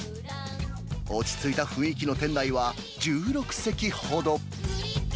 落ち着いた雰囲気の店内は１６席ほど。